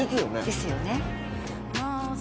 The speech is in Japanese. ですよね。ね？